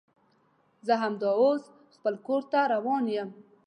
زه همدا اوس خپل کور ته روان یم